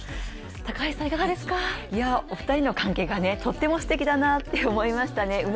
お二人の関係がとってもすてきだなって思いましたね。